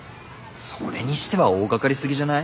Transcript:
それにしては大がかりすぎじゃない？